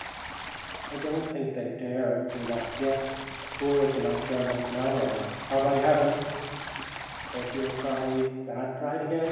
"I don't think they dare do that yet, poor as the Macdermots now are, or, by heaven " "There's your pride, bad pride, again, Thady.